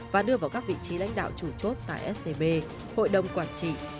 và đưa vào các vị trí lãnh đạo chủ chốt tại scb hội đồng quản trị